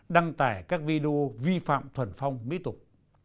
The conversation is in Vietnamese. đăng tải các video vi phạm thuần phong mỹ tục